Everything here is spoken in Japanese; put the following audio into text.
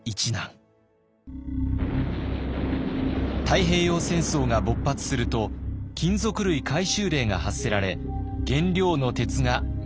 太平洋戦争が勃発すると金属類回収令が発せられ原料の鉄が入手困難に。